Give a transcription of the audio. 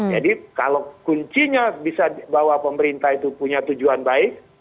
jadi kalau kuncinya bisa bahwa pemerintah itu punya tujuan baik